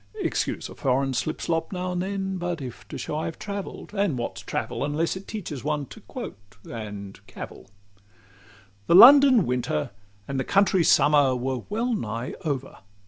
(Excuse a foreign slipslop now and then, If but to show I've travell'd; and what's travel, Unless it teaches one to quote and cavil?) XLVIII The London winter and the country summer Were well nigh over.